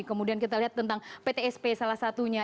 kemudian kita lihat tentang ptsp salah satunya